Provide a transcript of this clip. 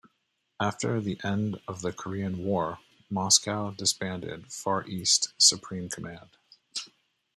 After the end of the Korean War, Moscow disbanded Far Eastern Supreme Command.